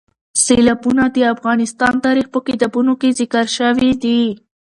سیلابونه د افغان تاریخ په کتابونو کې ذکر شوي دي.